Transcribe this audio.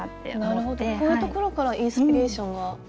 なるほどこういうところからインスピレーションが。